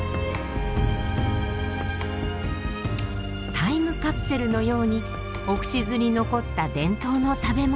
タイムカプセルのようにオクシズに残った伝統の食べ物。